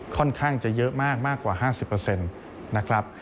ค่อนข้างจะเยอะมากมากกว่า๕๐